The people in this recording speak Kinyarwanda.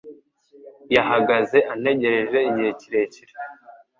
Yahagaze antegereje igihe kirekire.